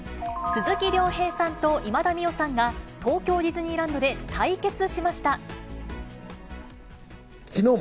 鈴木亮平さんと今田美桜さんが、東京ディズニーランドで対決しました。